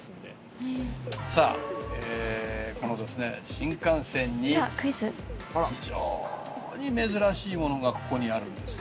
新幹線に非常に珍しいものがここにあるんですよ。